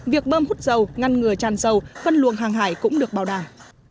việc bơm hút dầu ngăn ngừa tràn dầu phân luồng hàng hải cũng được bảo đảm